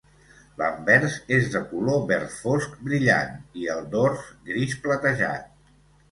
L'anvers és de color verd fosc brillant i el dors gris platejat.